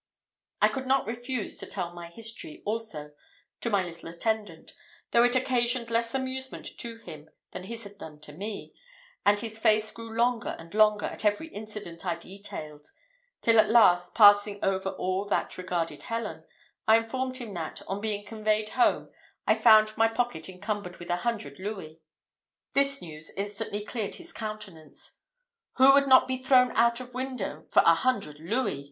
I could not refuse to tell my history also to my little attendant, though it occasioned less amusement to him than his had done to me; and his face grew longer and longer at every incident I detailed, till at last, passing over all that regarded Helen, I informed him that, on being conveyed home I found my pocket encumbered with a hundred louis. This news instantly cleared his countenance. "Who would not be thrown out of window for a hundred louis?"